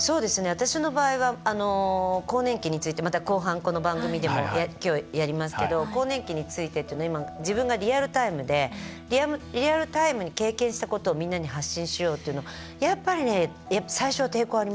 私の場合は更年期についてまた後半この番組でもやりますけど更年期についてというのは今自分がリアルタイムでリアルタイムに経験したことをみんなに発信しようというのやっぱり最初は抵抗ありましたよ。